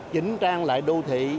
chỉnh trang lại đô thị